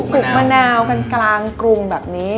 ลูกมะนาวกันกลางกรุงแบบนี้